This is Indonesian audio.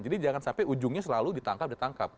jadi jangan sampai ujungnya selalu ditangkap ditangkap